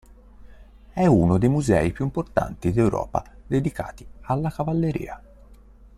È uno dei musei più importanti d'Europa dedicati alla cavalleria.